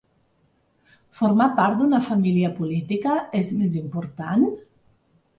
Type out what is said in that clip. Formar part d’una família política és més important?